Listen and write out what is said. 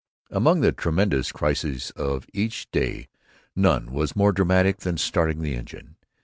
Among the tremendous crises of each day none was more dramatic than starting the engine.